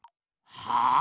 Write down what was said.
はあ？